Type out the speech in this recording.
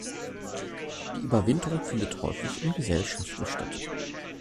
Die Überwinterung findet häufig in Gesellschaften statt.